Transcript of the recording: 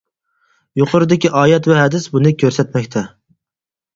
يۇقىرىدىكى ئايەت ۋە ھەدىس بۇنى كۆرسەتمەكتە.